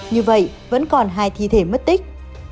như vậy vẫn còn hai thi thể mất tích